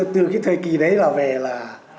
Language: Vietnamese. còn cái cơm ăn áo mặc thì từ cái thời kỳ đấy là về là